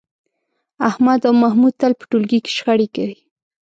احمد او محمود تل په ټولگي کې شخړې کوي